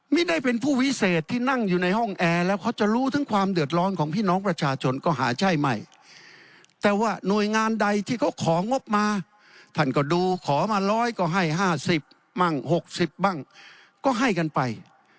ไม่ได้เป็นผู้วิเศษที่นั่งอยู่ในห้องแอร์แล้วเขาจะรู้ถึงความเดือดร้อนของพี่น้องประชาชนก็หาใช่ไม่แต่ว่าหน่วยงานใดที่เขาของงบมาท่านก็ดูขอมา๑๐๐ก็ให้๕๐บ้าง๖๐บ้างก็ให้กันไป